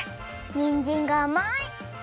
にんじんがあまい！